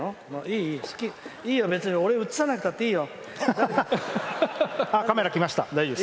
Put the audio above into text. いいよ、別に俺映さなくていいよ。